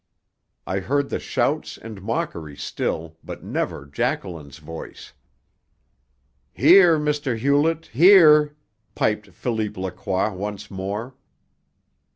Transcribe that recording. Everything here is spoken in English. I heard the shouts and mockery still, but never Jacqueline's voice. "Here, M. Hewlett, here!" piped Philippe Lacroix once more.